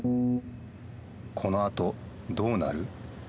このあとどうなる？